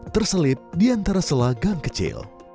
terselip di antara selagang kecil